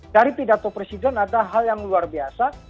dari pidato presiden ada hal yang luar biasa